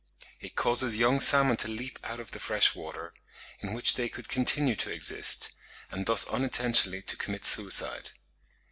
It causes young salmon to leap out of the fresh water, in which they could continue to exist, and thus unintentionally to commit suicide.